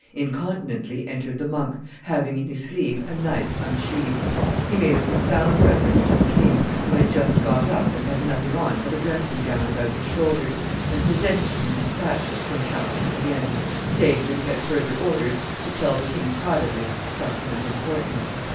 Incontinently entered the monk, having in his sleeve a knife unsheathed. He made a profound reverence to the king, who had just got up and had nothing on but a dressing gown about his shoulders, and presented to him despatches from Count de Brienne, saying that he had further orders to tell the king privately something of importance.